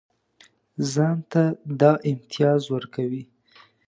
ځان ته دا امتیاز ورکوي.